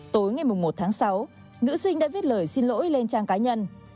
tối ngày một tháng sáu nữ sinh đã viết lời xin lỗi lên trang cá nhân